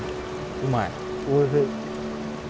うまい。